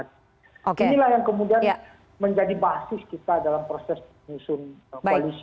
inilah yang kemudian menjadi basis kita dalam proses menyusun koalisi